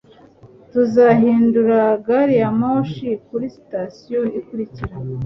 tuzahindura gari ya moshi kuri sitasiyo ikurikira